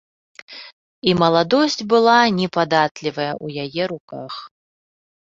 І маладосць была непадатлівая ў яе руках.